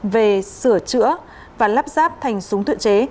về sửa chữa và lắp ráp thành súng tự chế